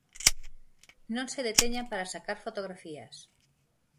Non se deteñan para sacar fotografías.